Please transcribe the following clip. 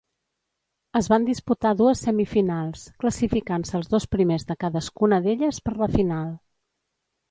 Es van disputar dues semifinals, classificant-se els dos primers de cadascuna d'elles per la final.